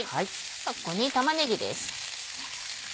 ではここに玉ねぎです。